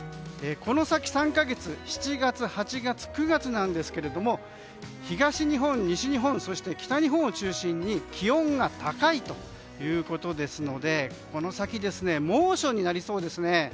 この先３か月７月、８月、９月なんですけども東日本、西日本そして北日本を中心に気温が高いということですのでこの先、猛暑になりそうですね。